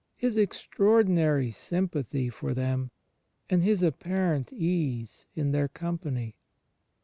His extraordmary sym pathy for them, and His apparent ease in their com pany.